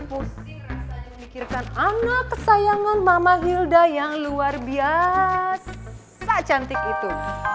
pasti rasanya memikirkan anak kesayangan mama hilda yang luar biasa cantik itu